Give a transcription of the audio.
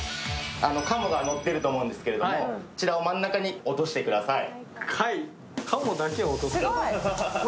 かもがのってると思うんですけれども、こちらを真ん中に落としてください。